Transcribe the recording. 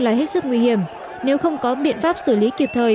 là hết sức nguy hiểm nếu không có biện pháp xử lý kịp thời